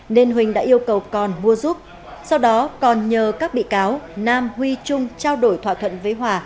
nên huỳnh đã yêu cầu còn mua giúp sau đó còn nhờ các bị cáo nam huy trung trao đổi thỏa thuận với hòa